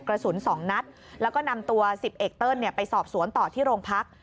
กระสุน๒นัดแล้วก็นำตัว๑๐เอกเติ้ลไปสอบสวนต่อที่โรงพัก